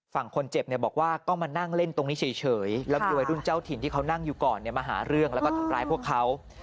ฝั่งคนเจ็บเนี่ยบอกว่าก็มานั่งเล่นตรงนี้เฉยแล้วมีวัยรุ่นเจ้าถิ่นที่เขานั่งอยู่ก่อนมาหาเรื่องแล้วก็ทำร้ายพวกเขา